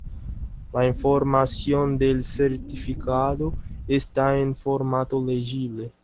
La información del certificado está en formato legible.